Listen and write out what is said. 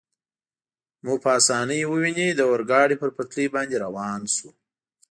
مو په اسانۍ وویني، د اورګاډي پر پټلۍ باندې روان شو.